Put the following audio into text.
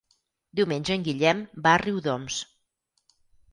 Diumenge en Guillem va a Riudoms.